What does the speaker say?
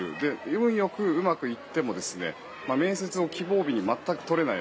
運良くうまくいっても面接の希望日に全く取れない。